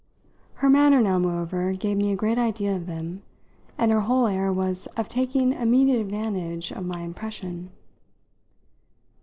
Her manner now moreover gave me a great idea of them, and her whole air was of taking immediate advantage of my impression.